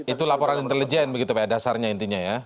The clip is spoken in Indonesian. itu laporan intelijen begitu pak ya dasarnya intinya ya